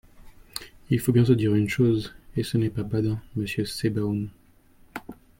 Il faut bien se dire une chose, et ce n’est pas badin, monsieur Sebaoun.